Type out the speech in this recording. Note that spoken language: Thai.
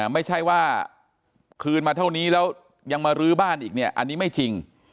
ไม่ใช่ว่าคืนมาเท่านี้แล้วยังมารื้อบ้านอีกเนี่ยอันนี้ไม่จริง